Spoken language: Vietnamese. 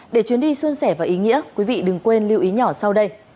để chuyến đi xuân sẻ và ý nghĩa quý vị đừng quên lưu ý nhỏ sau đây